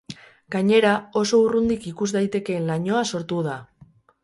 Gainera, oso urrundik ikus daitekeen lainoa sortu da.